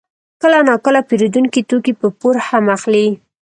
کله ناکله پېرودونکي توکي په پور هم اخلي